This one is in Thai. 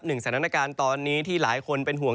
สถานการณ์ตอนนี้ที่หลายคนเป็นห่วง